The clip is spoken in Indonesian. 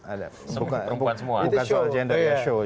ada bukan soal gender ya semua perempuan semua